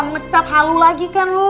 ngecap halu lagi kan lu